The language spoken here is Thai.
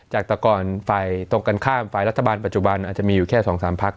จากตรกรไฟตรงกันข้ามไฟลัฐบาลปัจจุบันอาจจะมีอยู่๒๓พัก